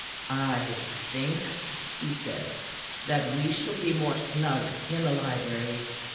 "I think," he said, "that we shall be more snug in the library.